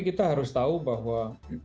kita harus tahu bahwa